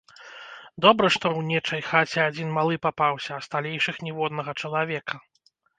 Добра, што ў нечай хаце адзін малы папаўся, а сталейшых ніводнага чалавека.